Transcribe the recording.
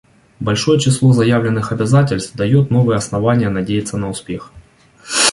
Большое число заявленных обязательств дает новые основания надеяться на успех.